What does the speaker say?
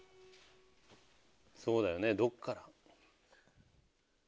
そうだよねどっから。